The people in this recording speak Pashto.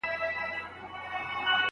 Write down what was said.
هغه مقاله چي په ګډه لیکل سوې وي ارزښت لري.